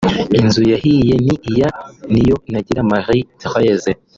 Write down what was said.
Inzu yahiye ni ya Niyonagira Marie Therese